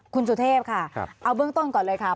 คุณสุเทพค่ะเอาเบื้องต้นก่อนเลยค่ะ